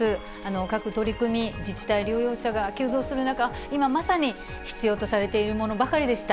各取り組み、自治体、療養者が急増する中、今まさに必要とされているものばかりでした。